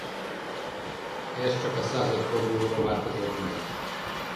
Ez csak a századfordulóra változott meg.